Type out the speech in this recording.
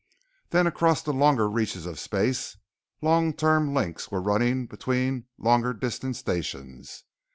Then across the longer reaches of space, long term links were running between longer distance stations.